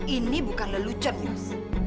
ini bukan lelucon yos